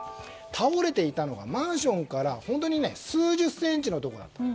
倒れていたのがマンションから本当に数十センチのところだった。